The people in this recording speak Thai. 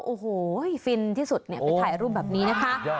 โอ้โหฟินที่สุดไปถ่ายรูปแบบนี้นะคะ